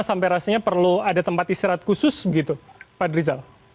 sampai rasanya perlu ada tempat istirahat khusus begitu pak drizal